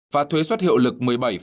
và thuế suất hiệu lực một mươi bảy một